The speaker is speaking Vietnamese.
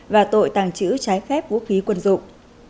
và tội tàng trữ trái phép vũ khí quân dụng